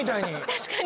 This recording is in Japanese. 確かに。